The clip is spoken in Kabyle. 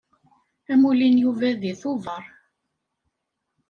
Amulli n Yuba deg Tubeṛ.